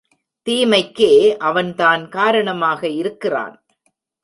தீமைக்கே அவன்தான் காரணமாக இருக்கிறான்.